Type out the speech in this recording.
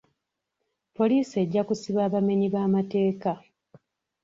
Poliisi ejja kusiba abamenyi b'amateeka .